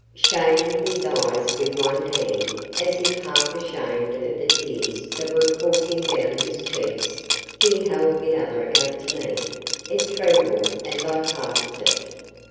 Shading his eyes with one hand, as if half ashamed of the tears that were coursing down his cheeks, he held the other out to me. It trembled as I clasped it.